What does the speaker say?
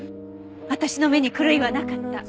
私の目に狂いはなかった。